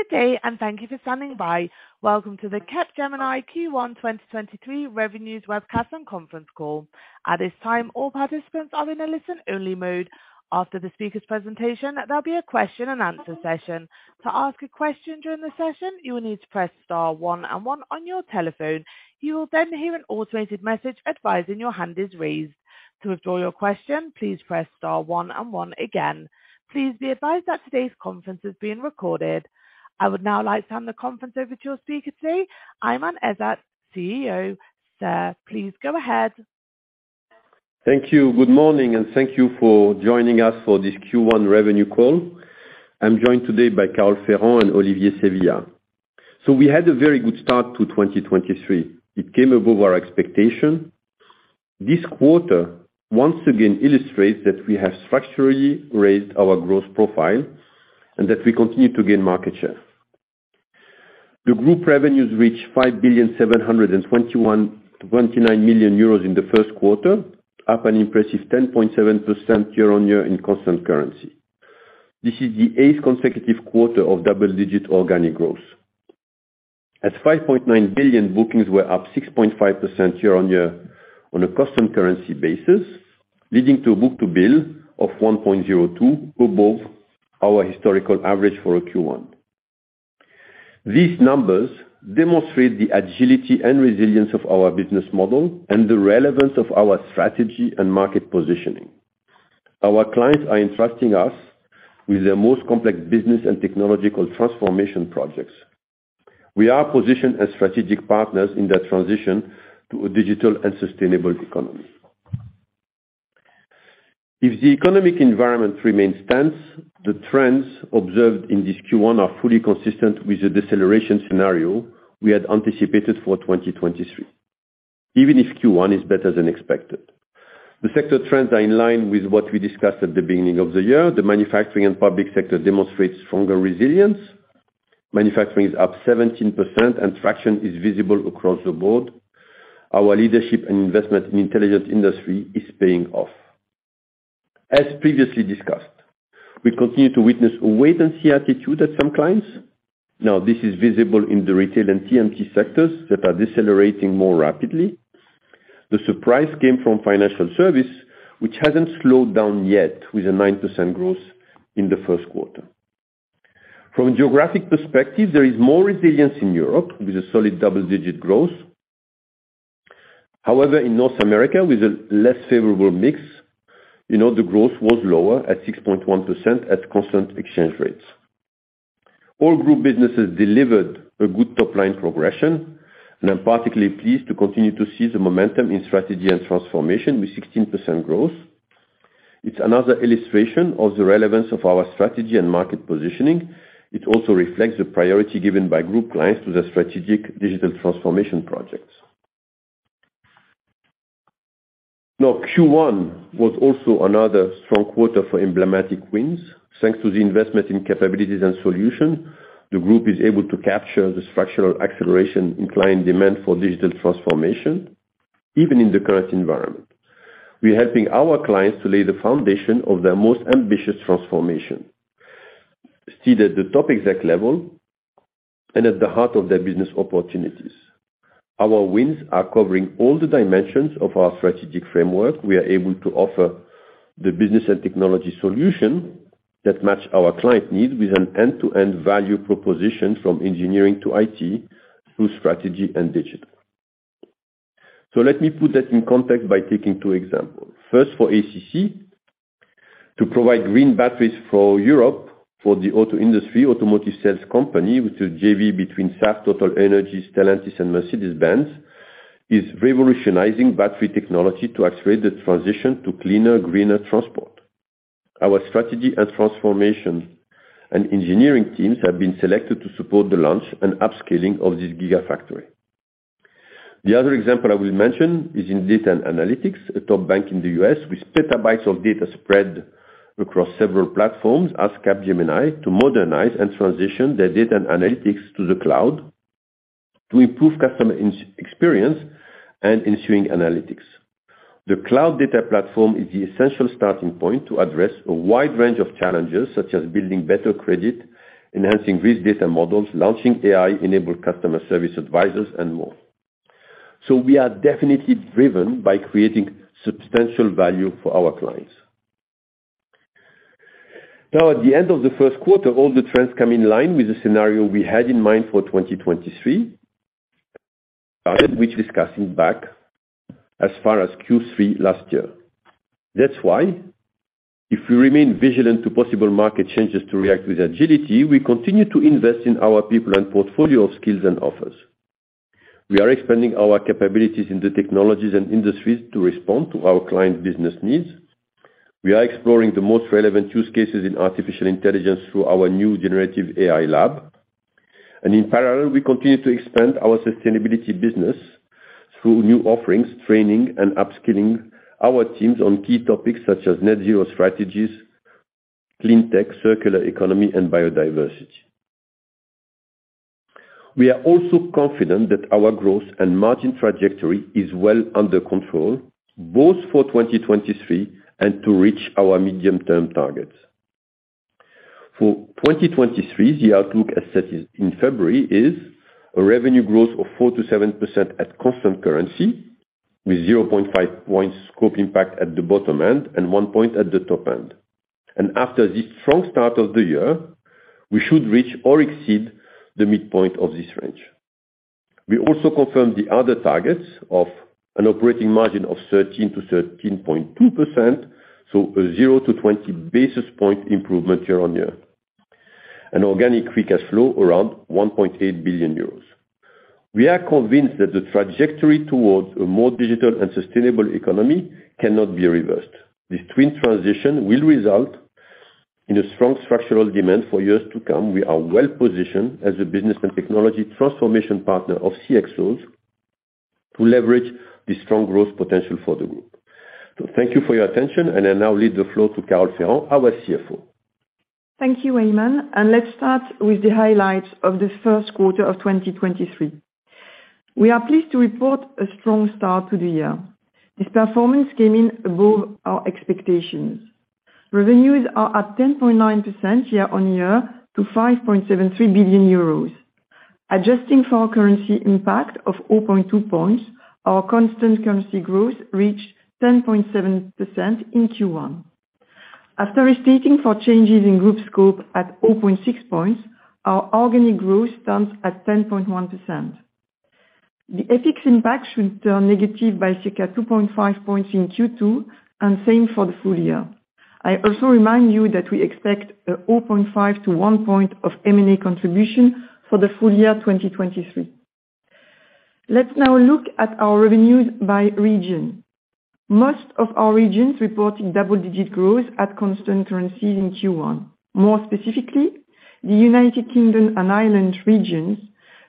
Good day, and thank you for standing by. Welcome to the Capgemini Q1 2023 revenues webcast and conference call. At this time, all participants are in a listen-only mode. After the speaker's presentation, there'll be a question-and-answer session. To ask a question during the session, you will need to press star one and one on your telephone. You will then hear an automated message advising your hand is raised. To withdraw your question, please press star one and one again. Please be advised that today's conference is being recorded. I would now like to hand the conference over to your speaker today, Aiman Ezzat, CEO. Sir, please go ahead. Thank you. Good morning, and thank you for joining us for this Q1 revenue call. I'm joined today by Carole Ferrand and Olivier Sevillia. We had a very good start to 2023. It came above our expectation. This quarter once again illustrates that we have structurally raised our growth profile and that we continue to gain market share. The group revenues reached 5,729 million euros in the first quarter, up an impressive 10.7% year-on-year in constant currency. This is the 8th consecutive quarter of double-digit organic growth. 5.9 billion bookings were up 6.5% year-on-year on a constant currency basis, leading to a book-to-bill of 1.02 above our historical average for a Q1. These numbers demonstrate the agility and resilience of our business model and the relevance of our strategy and market positioning. Our clients are entrusting us with their most complex business and technological transformation projects. We are positioned as strategic partners in their transition to a digital and sustainable economy. If the economic environment remains tense, the trends observed in this Q1 are fully consistent with the deceleration scenario we had anticipated for 2023, even if Q1 is better than expected. The sector trends are in line with what we discussed at the beginning of the year. The manufacturing and public sector demonstrates stronger resilience. Manufacturing is up 17% and traction is visible across the board. Our leadership and investment in Intelligent Industry is paying off. As previously discussed, we continue to witness a wait-and-see attitude at some clients. This is visible in the retail and TMT sectors that are decelerating more rapidly. The surprise came from financial service, which hasn't slowed down yet with a 9% growth in the first quarter. From a geographic perspective, there is more resilience in Europe with a solid double-digit growth. In North America, with a less favorable mix, you know, the growth was lower at 6.1% at constant exchange rates. All group businesses delivered a good top-line progression, and I'm particularly pleased to continue to see the momentum in Strategy & Transformation with 16% growth. It's another illustration of the relevance of our strategy and market positioning. It also reflects the priority given by group clients to the strategic digital transformation projects. Q1 was also another strong quarter for emblematic wins. Thanks to the investment in capabilities and solutions, the group is able to capture the structural acceleration in client demand for digital transformation, even in the current environment. We're helping our clients to lay the foundation of their most ambitious transformation, seated at the top exec level and at the heart of their business opportunities. Our wins are covering all the dimensions of our strategic framework. We are able to offer the business and technology solution that match our client needs with an end-to-end value proposition from engineering to IT through strategy and digital. Let me put that in context by taking two examples. First, for ACC, to provide green batteries for Europe, for the auto industry, Automotive Cells Company, which is a JV between Saft TotalEnergies, Stellantis and Mercedes-Benz, is revolutionizing battery technology to accelerate the transition to cleaner, greener transport. Our Strategy & Transformation and engineering teams have been selected to support the launch and upscaling of this gigafactory. The other example I will mention is in data and analytics. A top bank in the U.S. with petabytes of data spread across several platforms asked Capgemini to modernize and transition their data and analytics to the cloud to improve customer experience and ensuing analytics. The cloud data platform is the essential starting point to address a wide range of challenges, such as building better credit, enhancing risk data models, launching AI-enabled customer service advisors, and more. We are definitely driven by creating substantial value for our clients. At the end of the first quarter, all the trends come in line with the scenario we had in mind for 2023, started which discussing back as far as Q3 last year. That's why if we remain vigilant to possible market changes to react with agility, we continue to invest in our people and portfolio of skills and offers. We are expanding our capabilities in the technologies and industries to respond to our clients' business needs. We are exploring the most relevant use cases in artificial intelligence through our new generative AI lab. In parallel, we continue to expand our sustainability business through new offerings, training, and upskilling our teams on key topics such as net zero strategies, clean tech, circular economy, and biodiversity. We are also confident that our growth and margin trajectory is well under control, both for 2023 and to reach our medium-term targets. For 2023, the outlook as set in February is a revenue growth of 4%-7% at constant currency with 0.5 point scope impact at the bottom end and 1 point at the top end. After this strong start of the year, we should reach or exceed the midpoint of this range. We also confirm the other targets of an operating margin of 13%-13.2%, so a 0-20 basis point improvement year-on-year. An organic free cash flow around 1.8 billion euros. We are convinced that the trajectory towards a more digital and sustainable economy cannot be reversed. This twin transition will result in a strong structural demand for years to come. We are well-positioned as a business and technology transformation partner of CXOs to leverage the strong growth potential for the group. Thank you for your attention, and I now leave the floor to Carole Ferrand, our CFO. Thank you, Aiman, let's start with the highlights of the first quarter of 2023. We are pleased to report a strong start to the year. This performance came in above our expectations. Revenues are at 10.9% year-on-year to 5.73 billion euros. Adjusting for currency impact of 0.2 points, our constant currency growth reached 10.7% in Q1. After restating for changes in group scope at 0.6 points, our organic growth stands at 10.1%. The FX impact should turn negative by circa 2.5 points in Q2, same for the full year. I also remind you that we expect a 0.5 to 1 point of M&A contribution for the full year 2023. Let's now look at our revenues by region. Most of our regions reported double-digit growth at constant currencies in Q1. More specifically, the United Kingdom and Ireland regions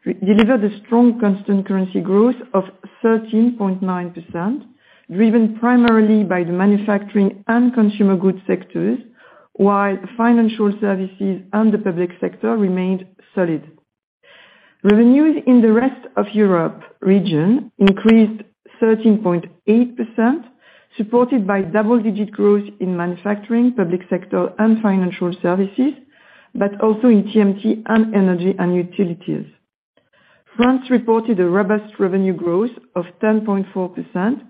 re-delivered a strong constant currency growth of 13.9%, driven primarily by the manufacturing and consumer goods sectors, while financial services and the public sector remained solid. Revenues in the rest of Europe region increased 13.8%, supported by double-digit growth in manufacturing, public sector, and financial services, but also in TMT and energy and utilities. France reported a robust revenue growth of 10.4%,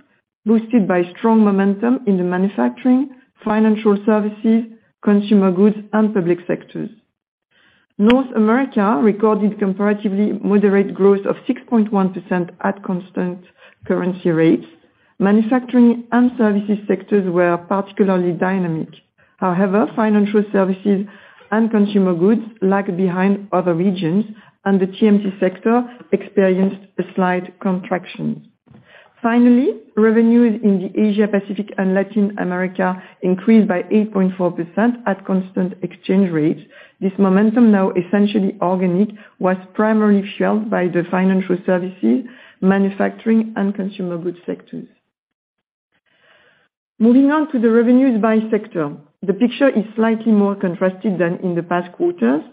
boosted by strong momentum in the manufacturing, financial services, consumer goods, and public sectors. North America recorded comparatively moderate growth of 6.1% at constant currency rates. Manufacturing and services sectors were particularly dynamic. However, financial services and consumer goods lag behind other regions, and the TMT sector experienced a slight contraction. Finally, revenues in the Asia Pacific and Latin America increased by 8.4% at constant exchange rates. This momentum, now essentially organic, was primarily fueled by the financial services, manufacturing, and consumer goods sectors. Moving on to the revenues by sector. The picture is slightly more contrasted than in the past quarters.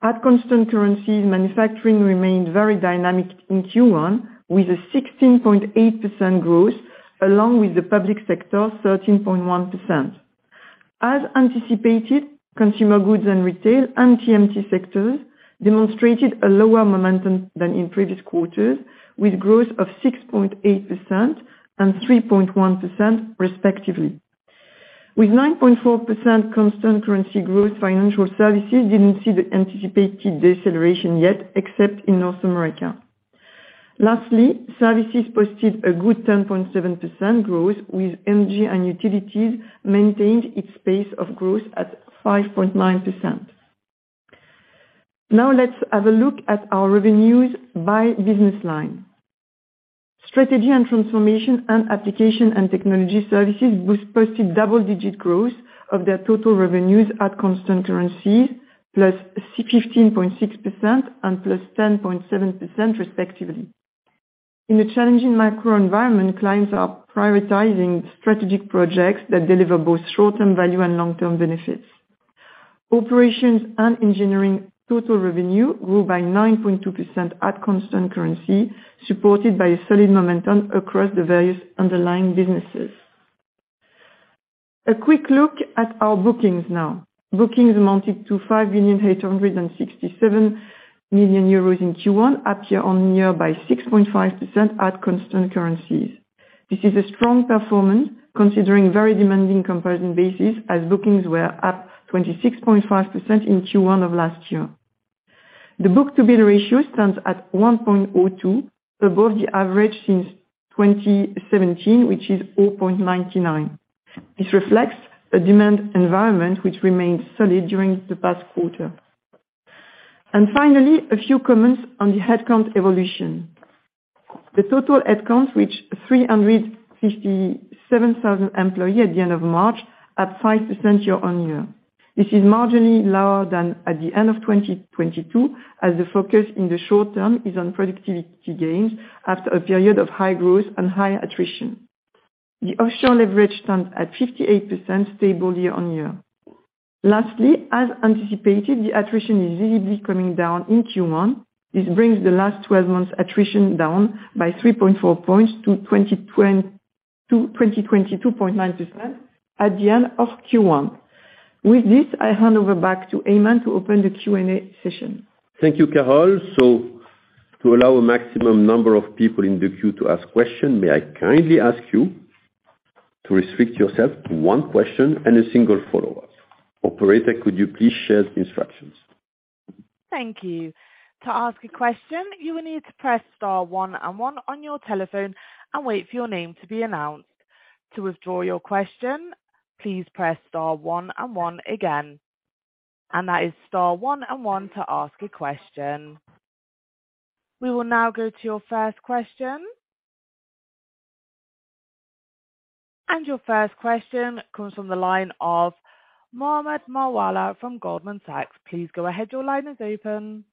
At constant currencies, manufacturing remained very dynamic in Q1, with a 16.8% growth, along with the public sector, 13.1%. As anticipated, consumer goods and retail and TMT sectors demonstrated a lower momentum than in previous quarters, with growth of 6.8% and 3.1% respectively. With 9.4% constant currency growth, financial services didn't see the anticipated deceleration yet, except in North America. Lastly, services posted a good 10.7% growth, with energy and utilities maintained its pace of growth at 5.9%. Let's have a look at our revenues by business line. Strategy & Transformation and Applications & Technology services both posted double-digit growth of their total revenues at constant currency, +15.6% and +10.7% respectively. In a challenging macro environment, clients are prioritizing strategic projects that deliver both short-term value and long-term benefits. Operations & Engineering total revenue grew by 9.2% at constant currency, supported by a solid momentum across the various underlying businesses. A quick look at our bookings now. Bookings amounted to 5,867 million euros in Q1, up year-on-year by 6.5% at constant currency. This is a strong performance considering very demanding comparison basis as bookings were up 26.5% in Q1 of last year. The book-to-bill ratio stands at 1.2, above the average since 2017, which is 0.99. This reflects a demand environment which remained solid during the past quarter. Finally, a few comments on the headcount evolution. The total headcount reached 357,000 employees at the end of March, up 5% year-on-year. This is marginally lower than at the end of 2022, as the focus in the short term is on productivity gains after a period of high growth and high attrition. The offshore leverage stands at 58% stable year-on-year. Lastly, as anticipated, the attrition is visibly coming down in Q1. This brings the last 12 months attrition down by 3.4 points to 22.9% at the end of Q1. With this, I hand over back to Aiman to open the Q&A session. Thank you, Carole. To allow a maximum number of people in the queue to ask question, may I kindly ask you to restrict yourself to 1 question and a single follow-up. Operator, could you please share the instructions? Thank you. To ask a question, you will need to press star one and one on your telephone and wait for your name to be announced. To withdraw your question, please press star one and one again. That is star one and one to ask a question. We will now go to your first question. Your first question comes from the line of Mohammed Moawalla from Goldman Sachs. Please go ahead. Your line is open.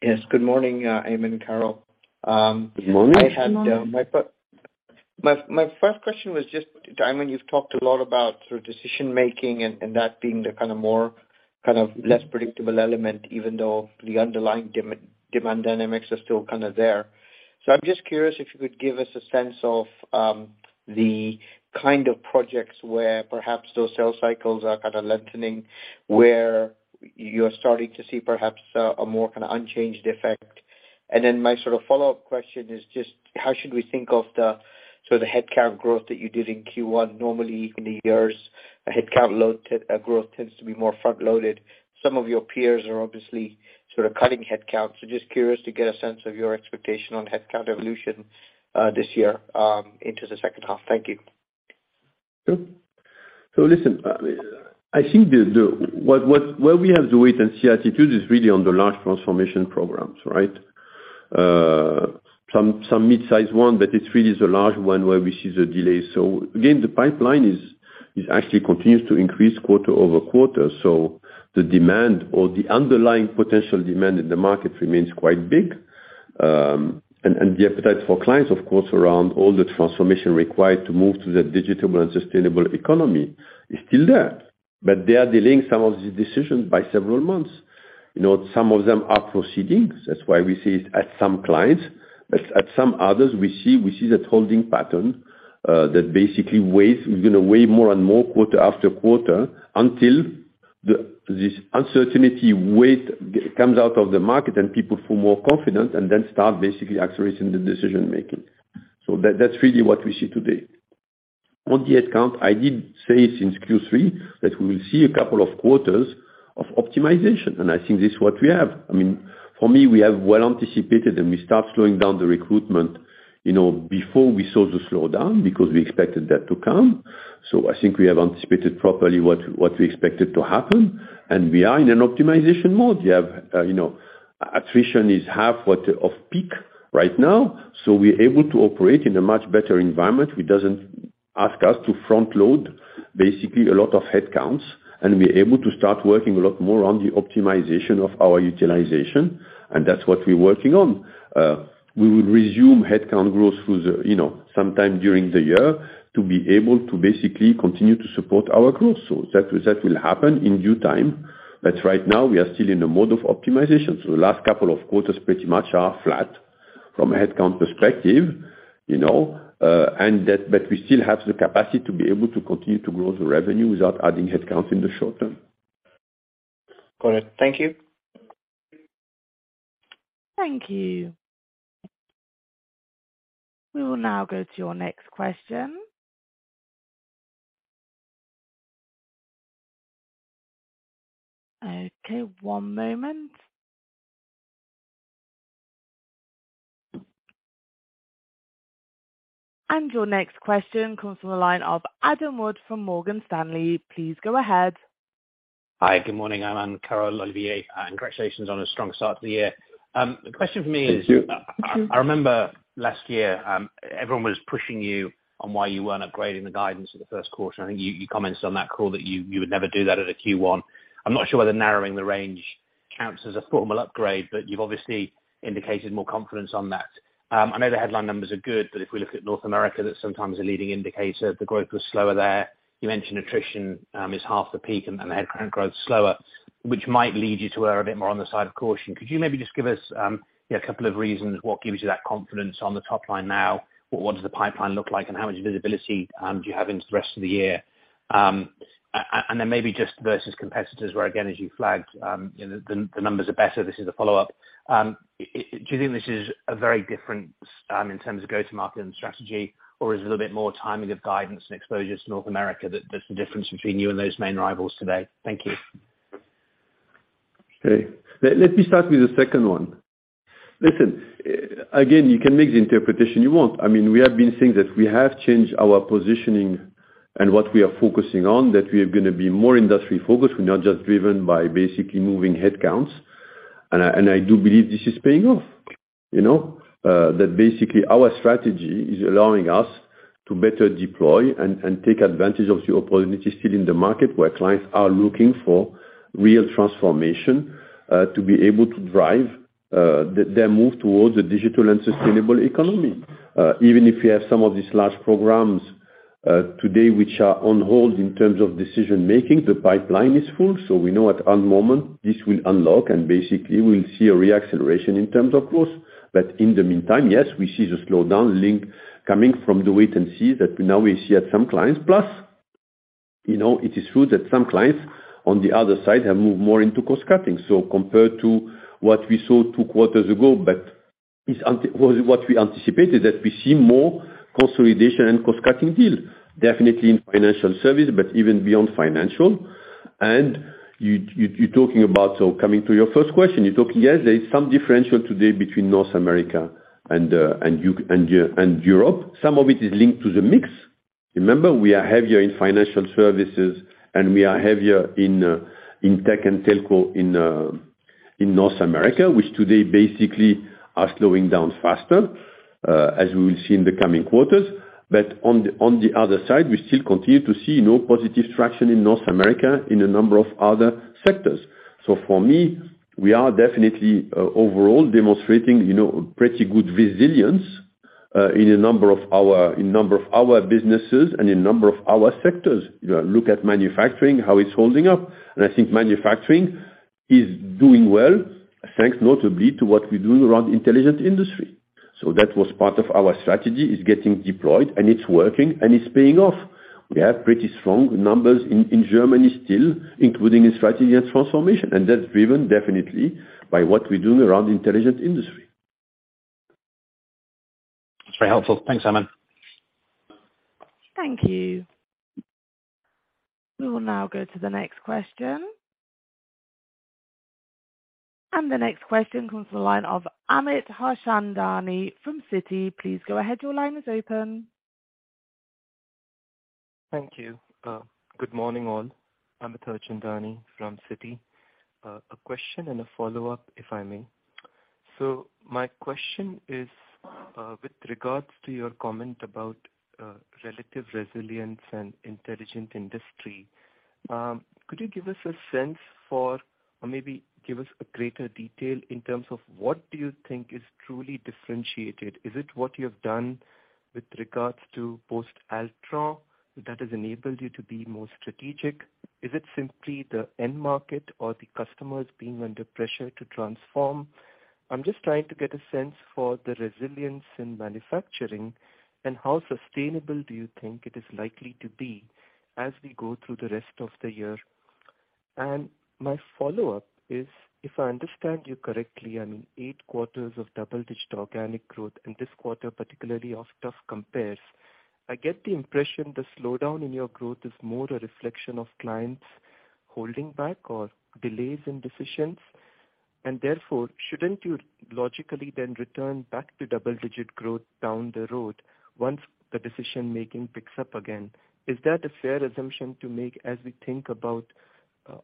Yes, good morning, Aiman, Carole. Good morning. I had my first question was just, Aiman, you've talked a lot about sort of decision-making and that being the kind of more, kind of less predictable element, even though the underlying demand dynamics are still kind of there. I'm just curious if you could give us a sense of the kind of projects where perhaps those sales cycles are kind of lengthening, where you're starting to see perhaps a more kind of unchanged effect. My sort of follow-up question is just how should we think of the sort of headcount growth that you did in Q1? Normally, in the years, a headcount growth tends to be more front-loaded. Some of your peers are obviously sort of cutting headcount. Just curious to get a sense of your expectation on headcount evolution, this year, into the second half. Thank you. Listen. I think where we have the wait and see attitude is really on the large transformation programs, right? Some mid-size one, but it really is a large one where we see the delay. Again, the pipeline actually continues to increase quarter-over-quarter. The demand or the underlying potential demand in the market remains quite big. And the appetite for clients, of course, around all the transformation required to move to the digital and sustainable economy is still there. They are delaying some of the decisions by several months. You know, some of them are proceedings. That's why we see it at some clients, but at some others, we see that holding pattern that basically weighs, is gonna weigh more and more quarter after quarter until this uncertainty weight comes out of the market and people feel more confident and then start basically accelerating the decision-making. That's really what we see today. On the headcount, I did say since Q3 that we will see a couple of quarters of optimization, and I think this is what we have. I mean, for me, we have well anticipated, and we start slowing down the recruitment, you know, before we saw the slowdown because we expected that to come. I think we have anticipated properly what we expected to happen, and we are in an optimization mode. We have, you know, attrition is half what of peak right now, so we're able to operate in a much better environment which doesn't ask us to front-load basically a lot of headcounts, and we're able to start working a lot more on the optimization of our utilization, and that's what we're working on. We will resume headcount growth through the, you know, sometime during the year to be able to basically continue to support our growth. That will happen in due time, but right now we are still in a mode of optimization. The last couple of quarters pretty much are flat from a headcount perspective, you know, we still have the capacity to be able to continue to grow the revenue without adding headcounts in the short term. Got it. Thank you. Thank you. We will now go to your next question. Okay, one moment. Your next question comes from the line of Adam Wood from Morgan Stanley. Please go ahead. Hi, good morning, Aiman, Carole, Olivier. Congratulations on a strong start to the year. The question from me. Thank you. I remember last year, everyone was pushing you on why you weren't upgrading the guidance for the 1st quarter, you commented on that call that you would never do that at a Q1. I'm not sure whether narrowing the range counts as a formal upgrade, you've obviously indicated more confidence on that. I know the headline numbers are good, if we look at North America, that's sometimes a leading indicator. The growth was slower there. You mentioned attrition is half the peak and the headcount growth slower, which might lead you to err a bit more on the side of caution. Could you maybe just give us, you know, a couple of reasons what gives you that confidence on the top line now? What does the pipeline look like, how much visibility do you have into the rest of the year? Then maybe just versus competitors, where again, as you flagged, you know, the numbers are better. This is a follow-up. Do you think this is a very different in terms of go-to-market and strategy, or is it a little bit more timing of guidance and exposure to North America that's the difference between you and those main rivals today? Thank you. Okay. Let me start with the second one. Listen, again, you can make the interpretation you want. I mean, we have been saying that we have changed our positioning and what we are focusing on, that we are gonna be more industry focused. We're not just driven by basically moving headcounts. I do believe this is paying off. You know? That basically our strategy is allowing us to better deploy and take advantage of the opportunities still in the market where clients are looking for real transformation. To be able to drive their move towards a digital and sustainable economy. Even if you have some of these large programs today which are on hold in terms of decision making, the pipeline is full. We know at one moment this will unlock and basically we'll see a re-acceleration in terms of growth. In the meantime, yes, we see the slowdown link coming from the wait-and-see that now we see at some clients. Plus, you know, it is true that some clients on the other side have moved more into cost cutting. Compared to what we saw two quarters ago, but it's what we anticipated, that we see more consolidation and cost cutting deal, definitely in financial service, but even beyond financial. You talking about... Coming to your first question, you're talking, yes, there is some differential today between North America and Europe. Some of it is linked to the mix. Remember, we are heavier in financial services and we are heavier in tech and telco in North America, which today basically are slowing down faster, as we will see in the coming quarters. On the other side, we still continue to see no positive traction in North America in a number of other sectors. For me, we are definitely overall demonstrating, you know, pretty good resilience in a number of our, in a number of our businesses and in a number of our sectors. You know, look at manufacturing, how it's holding up. I think manufacturing is doing well, thanks notably to what we do around Intelligent Industry. That was part of our strategy. It's getting deployed and it's working and it's paying off. We have pretty strong numbers in Germany still, including in Strategy & Transformation. That's driven definitely by what we do around Intelligent Industry. That's very helpful. Thanks, Aiman. Thank you. We will now go to the next question. The next question comes from the line of Amit Harchandani from Citi. Please go ahead. Your line is open. Thank you. Good morning, all. Amit Harchandani from Citi. A question and a follow-up, if I may. My question is, with regards to your comment about relative resilience and Intelligent Industry, could you give us a sense for, or maybe give us a greater detail in terms of what do you think is truly differentiated? Is it what you have done with regards to post Altran that has enabled you to be more strategic? Is it simply the end market or the customers being under pressure to transform? I'm just trying to get a sense for the resilience in manufacturing and how sustainable do you think it is likely to be as we go through the rest of the year. My follow-up is, if I understand you correctly, I mean, 8 quarters of double-digit organic growth, and this quarter particularly of tough compares. I get the impression the slowdown in your growth is more a reflection of clients holding back or delays in decisions, and therefore shouldn't you logically then return back to double-digit growth down the road once the decision-making picks up again? Is that a fair assumption to make as we think about,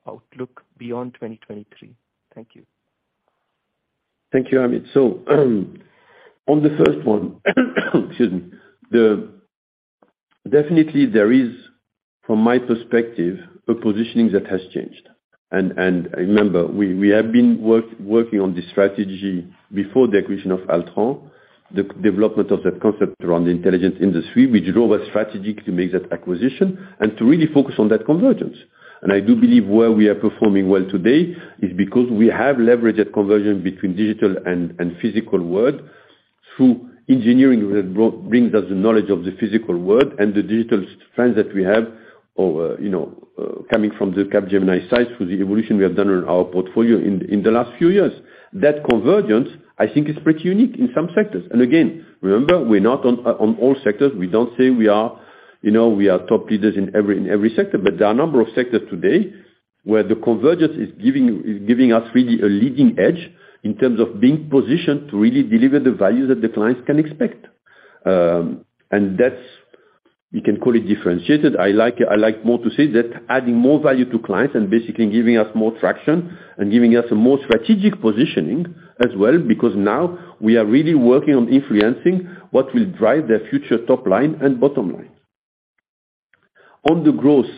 outlook beyond 2023? Thank you. Thank you, Amit. On the first one, excuse me. Definitely there is, from my perspective, a positioning that has changed. Remember, we have been working on this strategy before the acquisition of Altran, the development of that concept around the Intelligent Industry, which drove a strategy to make that acquisition and to really focus on that convergence. I do believe where we are performing well today is because we have leveraged that convergence between digital and physical world through engineering that brings us the knowledge of the physical world and the digital strength that we have or, you know, coming from the Capgemini side, through the evolution we have done in our portfolio in the last few years. That convergence, I think, is pretty unique in some sectors. Again, remember, we're not on all sectors. We don't say we are, you know, we are top leaders in every sector. There are a number of sectors today where the convergence is giving us really a leading edge in terms of being positioned to really deliver the value that the clients can expect. That's, you can call it differentiated. I like more to say that adding more value to clients and basically giving us more traction and giving us a more strategic positioning as well, because now we are really working on influencing what will drive their future top line and bottom line. On the growth,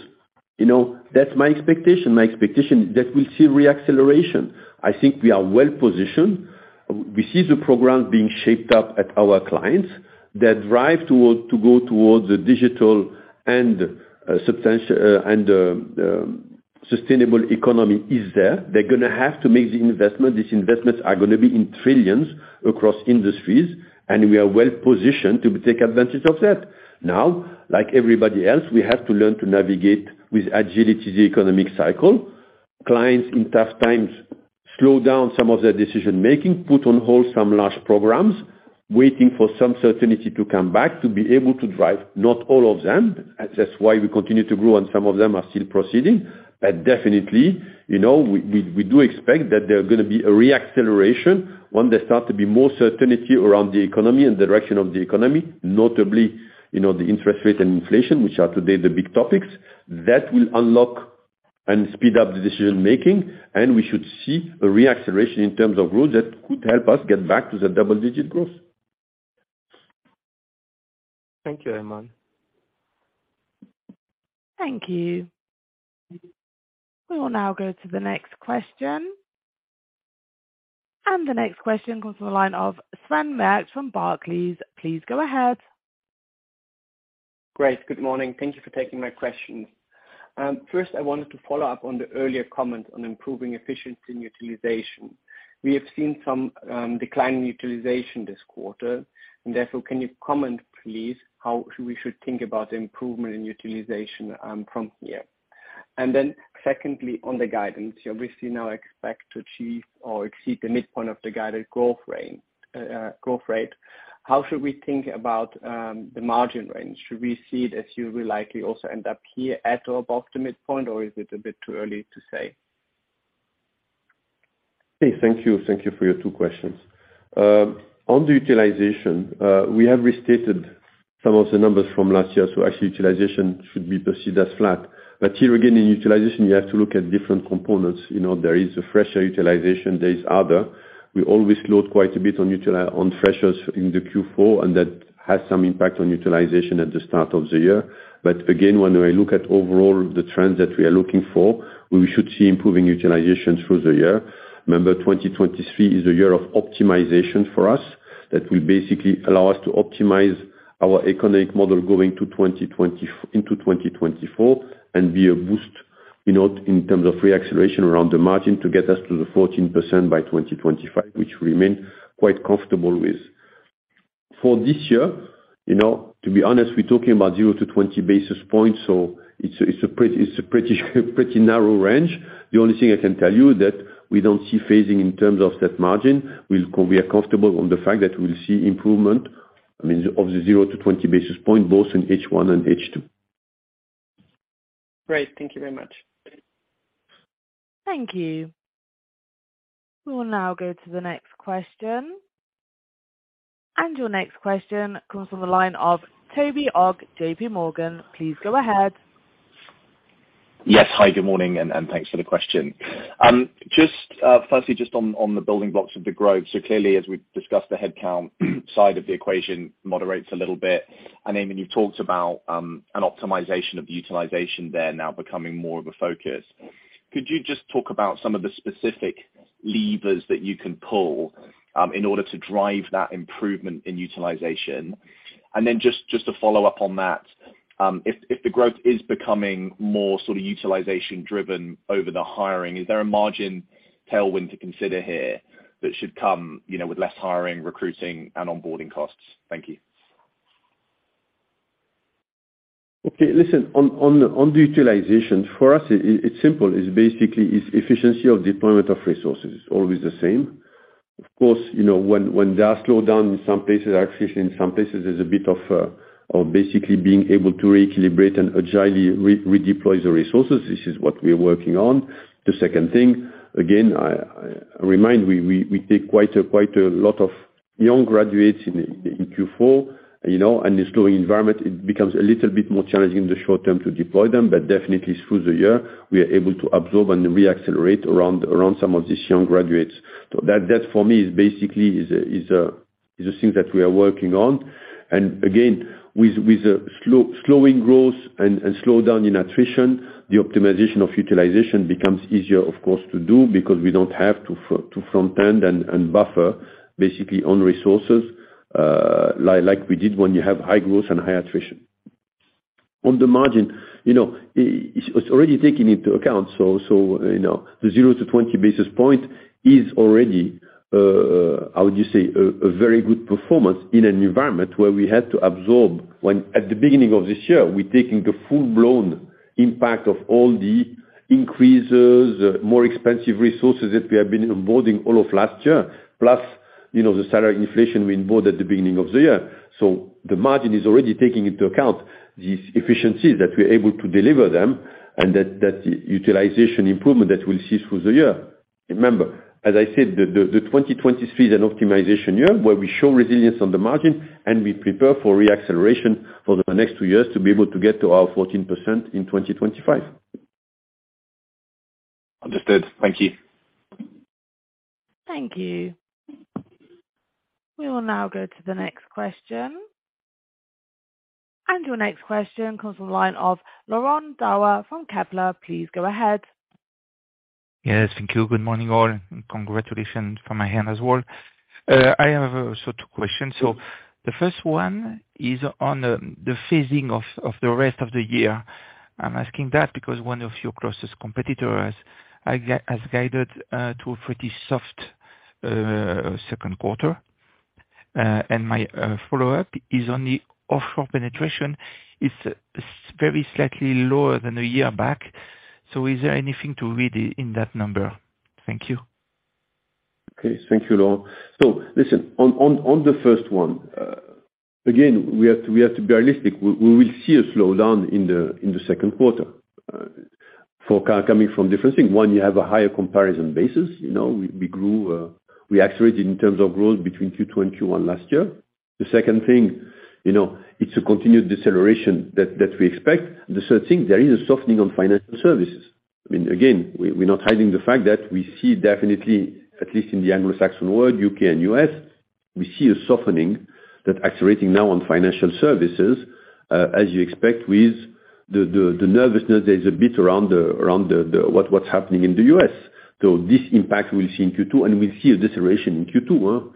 you know, that's my expectation. My expectation is that we'll see re-acceleration. I think we are well-positioned. We see the program being shaped up at our clients. Their drive toward, to go towards a digital and sustainable economy is there. They're gonna have to make the investment. These investments are gonna be in trillions across industries, and we are well-positioned to take advantage of that. Like everybody else, we have to learn to navigate with agility the economic cycle. Clients in tough times slow down some of their decision-making, put on hold some large programs, waiting for some certainty to come back to be able to drive. Not all of them. That's why we continue to grow, and some of them are still proceeding. Definitely, you know, we do expect that there are gonna be a re-acceleration when there start to be more certainty around the economy and direction of the economy, notably, you know, the interest rate and inflation, which are today the big topics. That will unlock and speed up the decision-making, and we should see a re-acceleration in terms of growth that could help us get back to the double-digit growth. Thank you, Eman. Thank you. We will now go to the next question. The next question comes from the line of Sven Merkt from Barclays. Please go ahead. Great. Good morning. Thank you for taking my question. First I wanted to follow up on the earlier comment on improving efficiency and utilization. We have seen some decline in utilization this quarter and therefore, can you comment please, how we should think about improvement in utilization from here? Then secondly, on the guidance, you obviously now expect to achieve or exceed the midpoint of the guided growth rate. How should we think about the margin range? Should we see it as you will likely also end up here at or above the midpoint, or is it a bit too early to say? Thank you. Thank you for your two questions. On the utilization, we have restated some of the numbers from last year, so actually utilization should be perceived as flat. Here, again, in utilization, you have to look at different components. You know, there is a fresher utilization, there is other. We always load quite a bit on freshers in the Q4, and that has some impact on utilization at the start of the year. Again, when I look at overall the trends that we are looking for, we should see improving utilization through the year. Remember, 2023 is a year of optimization for us that will basically allow us to optimize our economic model going into 2024 and be a boost, you know, in terms of re-acceleration around the margin to get us to the 14% by 2025, which we remain quite comfortable with. For this year, you know, to be honest, we're talking about 0-20 basis points, so it's a pretty narrow range. The only thing I can tell you is that we don't see phasing in terms of that margin. We are comfortable on the fact that we will see improvement, I mean, of the 0-20 basis point, both in H1 and H2. Great. Thank you very much. Thank you. We will now go to the next question. Your next question comes from the line of Toby Ogg, J.P. Morgan. Please go ahead. Yes. Hi, good morning, and thanks for the question. Just firstly, just on the building blocks of the growth. Clearly, as we've discussed the headcount side of the equation moderates a little bit, and Eman, you've talked about an optimization of the utilization there now becoming more of a focus. Could you just talk about some of the specific levers that you can pull in order to drive that improvement in utilization? Then just to follow up on that, if the growth is becoming more sort of utilization driven over the hiring, is there a margin tailwind to consider here that should come, you know, with less hiring, recruiting and onboarding costs? Thank you. Listen, on, on the utilization, for us, it's simple. It's basically, it's efficiency of deployment of resources. It's always the same. Of course, you know, when there are slowdown in some places, attrition in some places, there's a bit of basically being able to recalibrate and agilely redeploy the resources. This is what we are working on. The second thing, again, I remind we take quite a lot of young graduates in Q4, you know, and this growing environment, it becomes a little bit more challenging in the short term to deploy them, but definitely through the year, we are able to absorb and re-accelerate around some of these young graduates. That for me is basically is a thing that we are working on. Again, with the slowing growth and slowdown in attrition, the optimization of utilization becomes easier of course to do because we don't have to to front end and buffer basically on resources, like we did when you have high growth and high attrition. On the margin, you know, it's already taken into account, so, you know, the 0 to 20 basis points is already, how would you say, a very good performance in an environment where we had to absorb when at the beginning of this year, we're taking the full-blown impact of all the increases, more expensive resources that we have been onboarding all of last year, plus, you know, the salary inflation we onboard at the beginning of the year. The margin is already taking into account these efficiencies, that we're able to deliver them and that utilization improvement that we'll see through the year. Remember, as I said, the 2023 is an optimization year where we show resilience on the margin and we prepare for re-acceleration for the next two years to be able to get to our 14% in 2025. Understood. Thank you. Thank you. We will now go to the next question. Your next question comes from the line of Laurent Daure from Kepler. Please go ahead. Yes, thank you. Good morning, all, and congratulations from my end as well. I have also two questions. The first one is on the phasing of the rest of the year. I am asking that because one of your closest competitors has guided to a pretty soft second quarter. My follow-up is on the offshore penetration. It is very slightly lower than a year back. Is there anything to read in that number? Thank you. Okay. Thank you, Laurent. Listen, on the first one, again, we have to be realistic. We will see a slowdown in the second quarter, coming from different things. One, you have a higher comparison basis. You know, we grew, we accelerated in terms of growth between Q2 and Q1 last year. The second thing, you know, it's a continued deceleration that we expect. The third thing, there is a softening on financial services. I mean, again, we're not hiding the fact that we see definitely, at least in the Anglo-Saxon world, U.K. and U.S., we see a softening that accelerating now on financial services, as you expect with the nervousness there is a bit around the what's happening in the US. This impact we'll see in Q2, and we'll see a deceleration in Q2.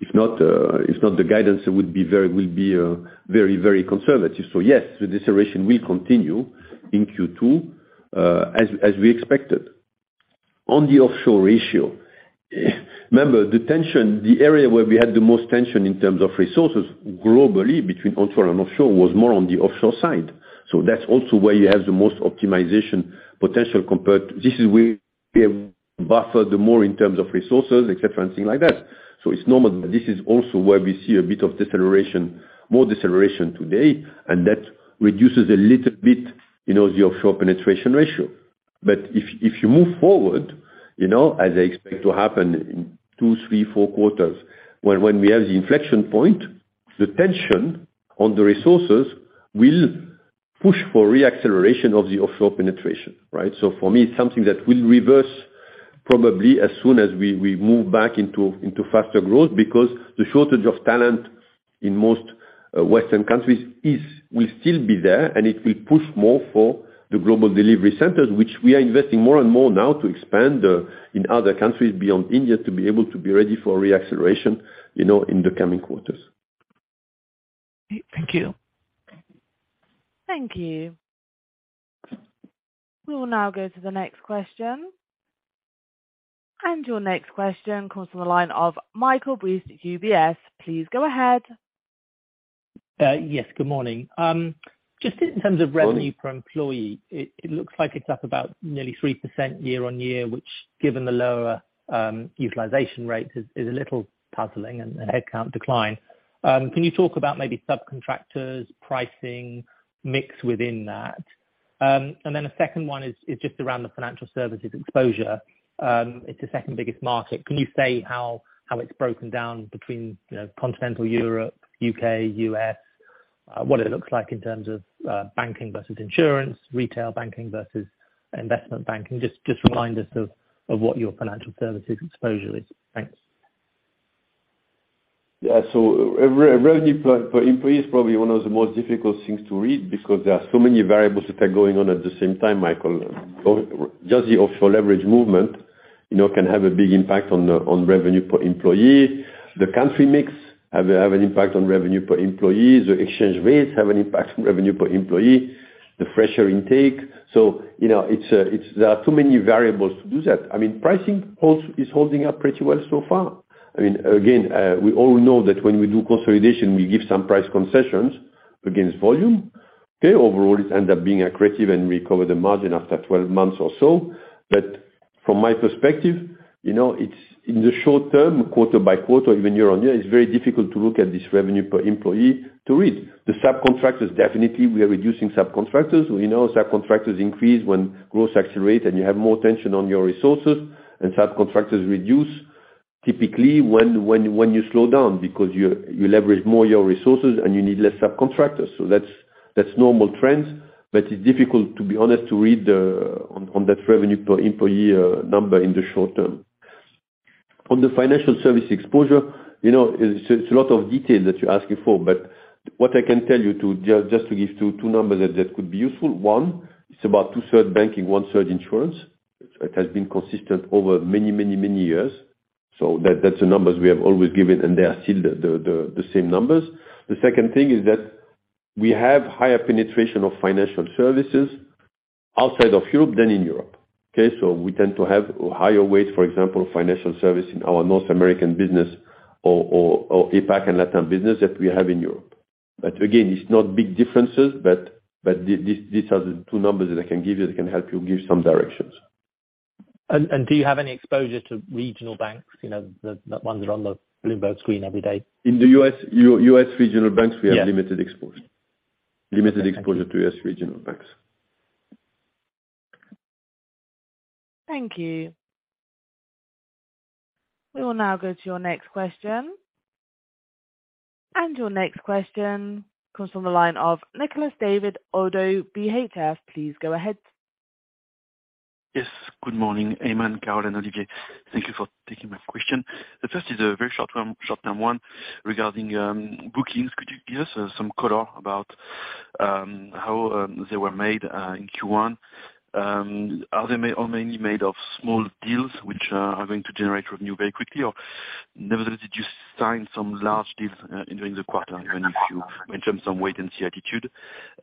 If not, if not the guidance, Will be very conservative. Yes, the deceleration will continue in Q2, as we expected. On the offshore ratio, remember the tension, the area where we had the most tension in terms of resources globally between onshore and offshore was more on the offshore side. That's also where you have the most optimization potential compared. This is where we have buffered more in terms of resources, et cetera, and things like that. It's normal. This is also where we see a bit of deceleration, more deceleration today, and that reduces a little bit, you know, the offshore penetration ratio. If you move forward, you know, as I expect to happen in two, three, four quarters, when we have the inflection point, the tension on the resources will push for re-acceleration of the offshore penetration, right? For me, it's something that will reverse probably as soon as we move back into faster growth because the shortage of talent in most Western countries will still be there, and it will push more for the global delivery centers, which we are investing more and more now to expand in other countries beyond India to be able to be ready for re-acceleration, you know, in the coming quarters. Thank you. Thank you. We will now go to the next question. Your next question comes from the line of Michael Briest at UBS. Please go ahead. Yes, good morning. Just in terms of revenue per employee, it looks like it's up about nearly 3% year-on-year, which given the lower utilization rate is a little puzzling and the headcount decline. Can you talk about maybe subcontractors, pricing, mix within that? Then a second one is just around the financial services exposure. It's the second biggest market. Can you say how it's broken down between, you know, continental Europe, U.K., U.S., what it looks like in terms of banking versus insurance, retail banking versus investment banking? Just remind us of what your financial services exposure is. Thanks. Yeah. Revenue per employee is probably one of the most difficult things to read because there are so many variables that are going on at the same time, Michael. Just the offshore leverage movement, you know, can have a big impact on revenue per employee. The country mix have an impact on revenue per employee. The exchange rates have an impact on revenue per employee, the fresher intake. You know, there are too many variables to do that. I mean, pricing is holding up pretty well so far. I mean, again, we all know that when we do consolidation, we give some price concessions against volume. Okay. Overall, it ends up being accretive and recover the margin after twelve months or so. From my perspective, you know, it's in the short term, quarter by quarter, even year on year, it's very difficult to look at this revenue per employee to read. The subcontractors, definitely, we are reducing subcontractors. We know subcontractors increase when growth accelerate and you have more tension on your resources, and subcontractors reduce typically when you slow down because you leverage more your resources and you need less subcontractors. That's, that's normal trends, but it's difficult to be honest, to read the, on that revenue per employee number in the short term. On the financial service exposure, you know, it's a lot of detail that you're asking for, but what I can tell you to just to give two numbers that could be useful. One, it's about two-third banking, one-third insurance. It has been consistent over many years. That's the numbers we have always given, and they are still the same numbers. The second thing is that we have higher penetration of financial services outside of Europe than in Europe. Okay? We tend to have higher weights, for example, financial service in our North American business or APAC and Latin business that we have in Europe. Again, it's not big differences, but these are the 2 numbers that I can give you that can help you give some directions. Do you have any exposure to regional banks? You know, the ones that are on the Bloomberg screen every day. In the U.S., U.S. regional banks- Yeah. We have limited exposure. Limited exposure to U.S. regional banks. Thank you. We will now go to your next question. Your next question comes from the line of Nicolas David, Oddo BHF. Please go ahead. Yes. Good morning, Aiman, Carole Ferrand, Olivier Sevillia. Thank you for taking my question. The first is a very short-term one regarding bookings. Could you give us some color about how they were made in Q1? Are they mainly made of small deals which are going to generate revenue very quickly, or nevertheless, did you sign some large deals during the quarter, even if you maintained some wait-and-see attitude?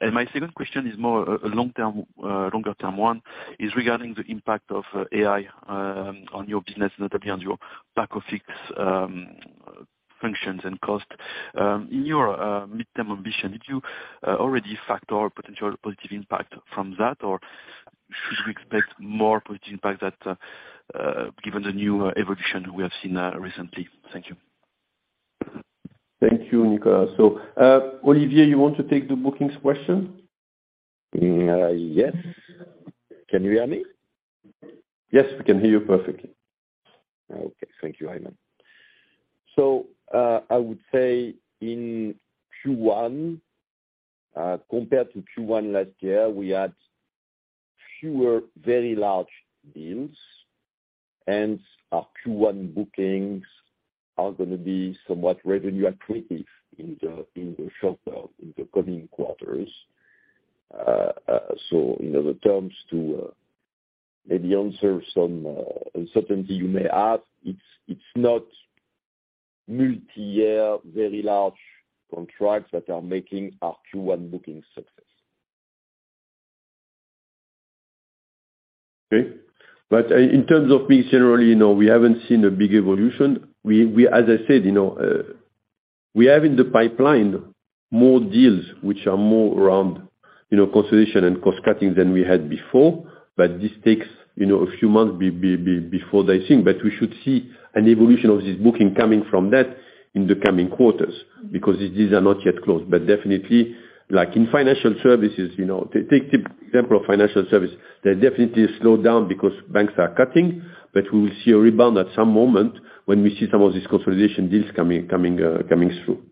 My second question is more a long-term, longer-term one, is regarding the impact of AI on your business, notably on your pack of 6 functions and cost. In your midterm ambition, did you already factor potential positive impact from that, or should we expect more positive impact that given the new evolution we have seen recently? Thank you. Thank you, Nicolas. Olivier, you want to take the bookings question? Yes. Can you hear me? Yes, we can hear you perfectly. Okay. Thank you, Aiman. I would say in Q1, compared to Q1 last year, we had fewer very large deals, hence our Q1 bookings are going to be somewhat revenue accretive in the, in the short, in the coming quarters. In other terms to maybe answer some uncertainty you may have, it's not multi-year, very large contracts that are making our Q1 booking success. Okay. In terms of big generally, you know, we haven't seen a big evolution. We as I said, you know, we have in the pipeline more deals which are more around, you know, consolidation and cost cutting than we had before. This takes, you know, a few months before they sink. We should see an evolution of this booking coming from that in the coming quarters because these are not yet closed. Definitely like in financial services, you know, take the example of financial service. They're definitely slowed down because banks are cutting. We will see a rebound at some moment when we see some of these consolidation deals coming through.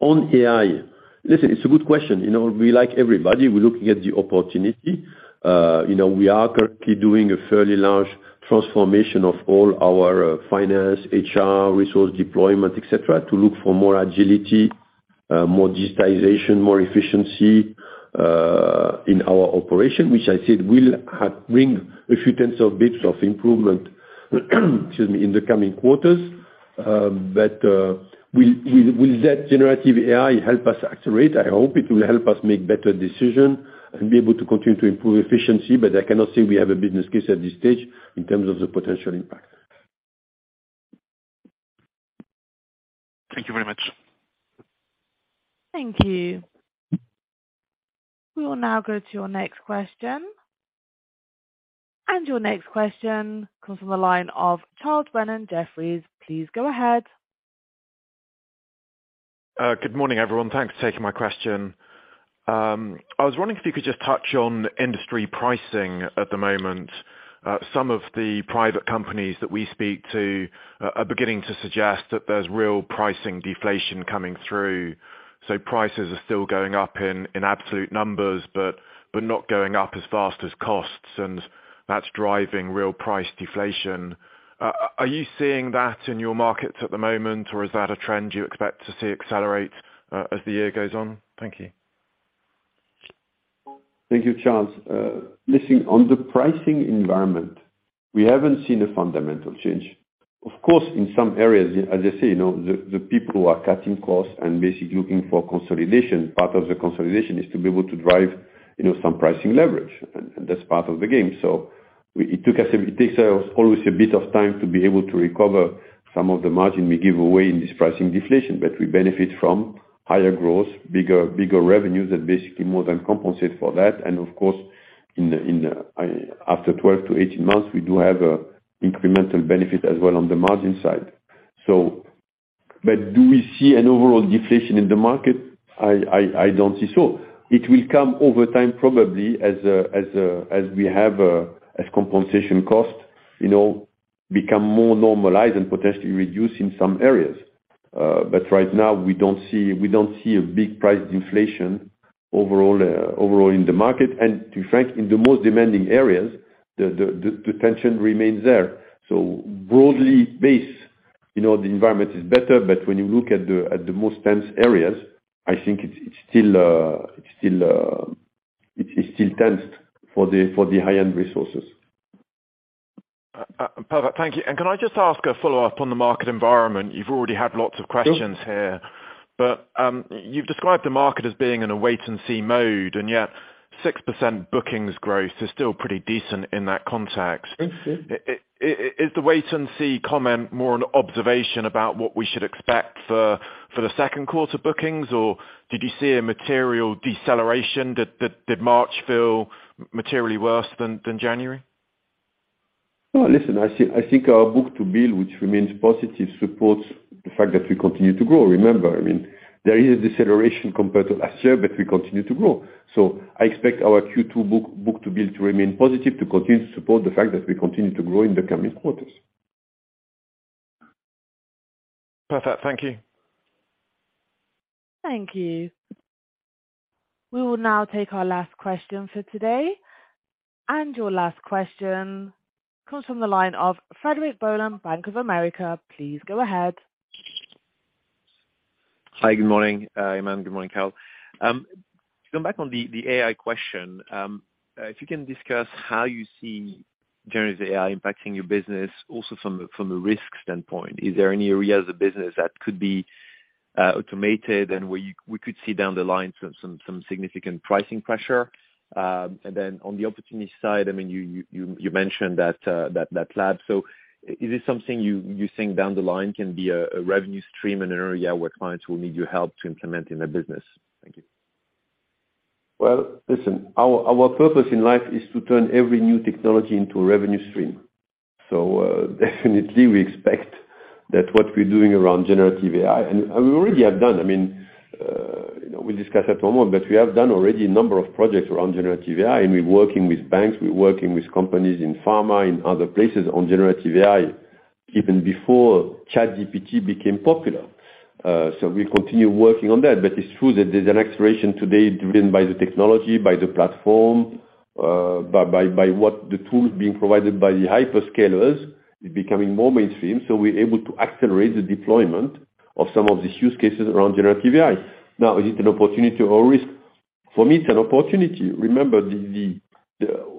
On AI, listen, it's a good question. You know, we like everybody, we're looking at the opportunity. You know, we are currently doing a fairly large transformation of all our finance, HR, resource deployment, et cetera, to look for more agility, more digitization, more efficiency, in our operation, which I said will have bring a few tenths of bits of improvement, excuse me, in the coming quarters. Will that generative AI help us accelerate? I hope it will help us make better decision and be able to continue to improve efficiency, but I cannot say we have a business case at this stage in terms of the potential impact. Thank you very much. Thank you. We will now go to your next question. Your next question comes from the line of Charles Brennan, Jefferies. Please go ahead. Good morning, everyone. Thanks for taking my question. I was wondering if you could just touch on industry pricing at the moment. Some of the private companies that we speak to are beginning to suggest that there's real pricing deflation coming through. Prices are still going up in absolute numbers, but not going up as fast as costs, and that's driving real price deflation. Are you seeing that in your markets at the moment, or is that a trend you expect to see accelerate as the year goes on? Thank you. Thank you, Charles. listen, on the pricing environment, we haven't seen a fundamental change. Of course, in some areas, as you say, you know, the people who are cutting costs and basically looking for consolidation, part of the consolidation is to be able to drive, you know, some pricing leverage, and that's part of the game. It takes us always a bit of time to be able to recover some of the margin we give away in this pricing deflation. We benefit from higher growth, bigger revenues that basically more than compensate for that. Of course, after twelve to eighteen months, we do have a incremental benefit as well on the margin side. Do we see an overall deflation in the market? I don't see so. It will come over time, probably, as, as we have, as compensation costs, you know, become more normalized and potentially reduce in some areas. Right now we don't see a big price deflation overall in the market. To be frank, in the most demanding areas, the tension remains there. Broadly based, you know, the environment is better, but when you look at the most tense areas, I think it's still tensed for the high-end resources. Perfect. Thank you. Can I just ask a follow-up on the market environment? You've already had lots of questions here. Sure. You've described the market as being in a wait and see mode, and yet 6% bookings growth is still pretty decent in that context. Mm-hmm. Is the wait and see comment more an observation about what we should expect for the second quarter bookings, or did you see a material deceleration? Did March feel materially worse than January? No. Listen, I think our book-to-bill, which remains positive, supports the fact that we continue to grow. Remember, I mean, there is a deceleration compared to last year, but we continue to grow. So I expect our Q2 book-to-bill to remain positive to continue to support the fact that we continue to grow in the coming quarters. Perfect. Thank you. Thank you. We will now take our last question for today. Your last question comes from the line of Frederic Boulan, Bank of America. Please go ahead. Hi. Good morning, Iman. Good morning, Carole. To come back on the AI question, if you can discuss how you see generative AI impacting your business also from a risk standpoint. Is there any areas of business that could be automated and where we could see down the line some significant pricing pressure? Then on the opportunity side, I mean, you mentioned that lab. Is this something you think down the line can be a revenue stream, an area where clients will need your help to implement in their business? Thank you. Well, listen, our purpose in life is to turn every new technology into a revenue stream. Definitely we expect that what we're doing around generative AI and we already have done, I mean, we'll discuss that in a moment, but we have done already a number of projects around generative AI, and we're working with banks, we're working with companies in pharma, in other places on generative AI, even before ChatGPT became popular. We continue working on that. It's true that there's an acceleration today driven by the technology, by the platform, by what the tools being provided by the hyperscalers is becoming more mainstream, so we're able to accelerate the deployment of some of these use cases around generative AI. Now, is it an opportunity or risk? For me, it's an opportunity. Remember, the...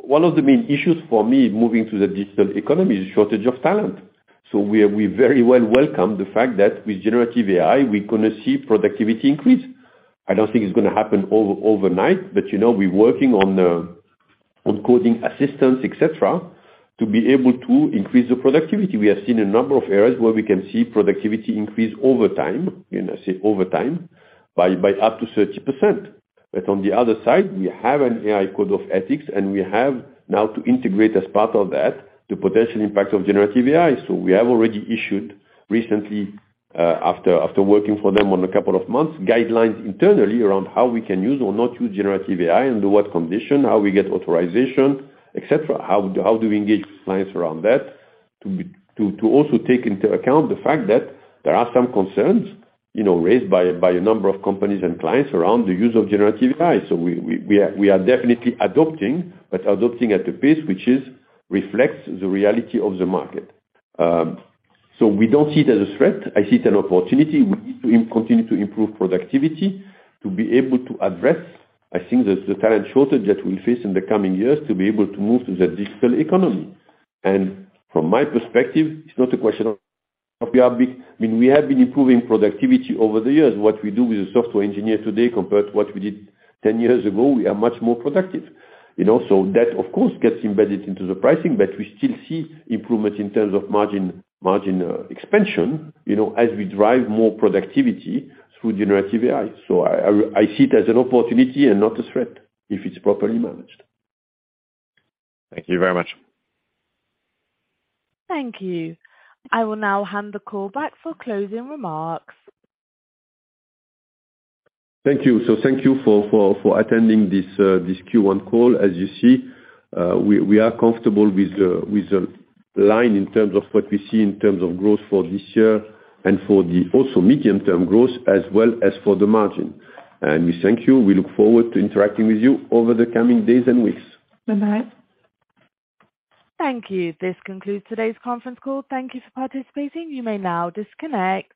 One of the main issues for me moving to the digital economy is shortage of talent. We very well welcome the fact that with generative AI, we're gonna see productivity increase. I don't think it's gonna happen overnight, but, you know, we're working on coding assistance, et cetera, to be able to increase the productivity. We have seen a number of areas where we can see productivity increase over time, and I say over time, by up to 30%. On the other side, we have an AI Code of Ethics, and we have now to integrate as part of that the potential impact of generative AI. We have already issued recently, after working for them on a couple of months, guidelines internally around how we can use or not use generative AI, under what condition, how we get authorization, et cetera. How do we engage clients around that to also take into account the fact that there are some concerns, you know, raised by a number of companies and clients around the use of generative AI. We are definitely adopting, but adopting at a pace which is reflects the reality of the market. We don't see it as a threat. I see it an opportunity. We need to continue to improve productivity to be able to address, I think the talent shortage that we'll face in the coming years, to be able to move to the digital economy. From my perspective, it's not a question of we are big. I mean, we have been improving productivity over the years. What we do with a software engineer today compared to what we did 10 years ago, we are much more productive. You know, so that, of course, gets embedded into the pricing, but we still see improvement in terms of margin expansion, you know, as we drive more productivity through generative AI. I see it as an opportunity and not a threat if it's properly managed. Thank you very much. Thank you. I will now hand the call back for closing remarks. Thank you for attending this Q1 call. As you see, we are comfortable with the line in terms of what we see in terms of growth for this year and for the also medium-term growth as well as for the margin. We thank you. We look forward to interacting with you over the coming days and weeks. Thank you. This concludes today's conference call. Thank you for participating. You may now disconnect.